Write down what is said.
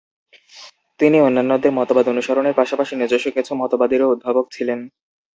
তিনি অন্যান্যদের মতবাদ অনুসরণের পাশাপাশি নিজস্ব কিছু মতবাদেরও উদ্ভাবক ছিলেন।